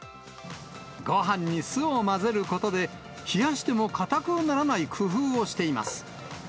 ごはんに酢を混ぜることで、冷やしてもかたくならない工夫をしています。